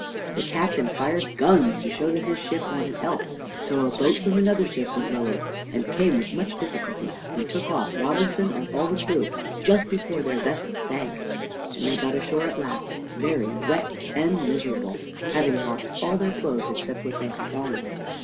The Captain fired guns to show that his ship wanted help. So a boat from another ship was lowered, and came with much difficulty and took off Robinson and all the crew, just before their vessel sank; and they got ashore at last, very wet and miserable, having lost all their clothes except what they had on.